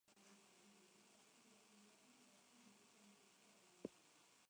Es el hermano menor de John McEnroe.